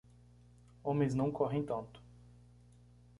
Homens não correm tanto.